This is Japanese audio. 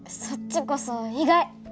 そっちこそ意外。